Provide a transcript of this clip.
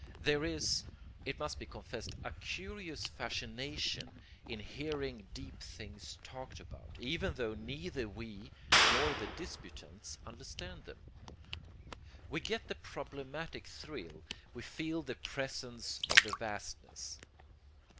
There is, it must be confessed, a curious fascination in hearing deep things talked about, even tho neither we nor the disputants understand them. We get the problematic thrill, we feel the presence of the vastness.